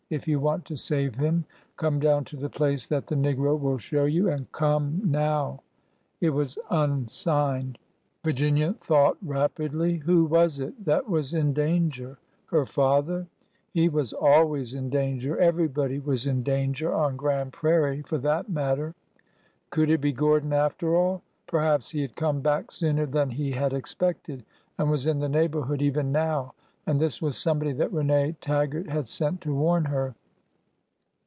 If you want to save him, come down to the place that the negro will show you, and come now/^ It was unsigned. Virginia thought rapidly. Who was it that was in danger — her father? He was always in danger — every body was in danger on Grand Prairie, for that matter. ... Could it be Gordon, after all ? Perhaps he had come back sooner than he had expected and was in the neigh borhood even now, and this was somebody that Rene Tag gart had sent to warn her.